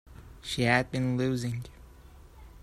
She had been losing.